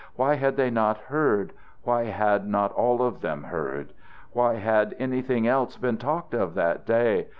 Why had they not heard? Why had not all of them heard? Why had anything else been talked of that day?